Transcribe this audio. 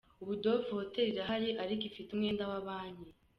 Ubu Dove Hotel irahari ariko ifite umwenda wa Banki.